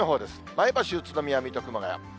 前橋、宇都宮、水戸、熊谷。